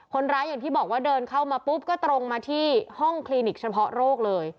อย่างที่บอกว่าเดินเข้ามาปุ๊บก็ตรงมาที่ห้องคลินิกเฉพาะโรคเลย